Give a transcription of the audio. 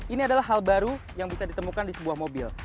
ini adalah hal baru yang bisa ditemukan di sebuah mobil